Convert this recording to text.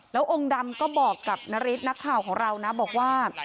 แล้วองค์ดำก็บอกกับนฤทธินักข่าวของเรานะบอกว่า